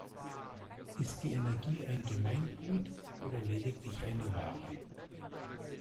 Ist die Energie ein "Gemeingut" oder lediglich eine Ware?